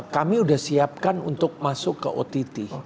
kami sudah siapkan untuk masuk ke ott